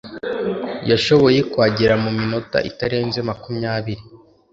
yashoboye kuhagera mu minota itarenze makumyabiri